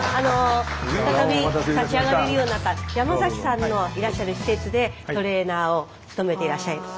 再び立ち上がれるようになった山さんのいらっしゃる施設でトレーナーを務めていらっしゃいます。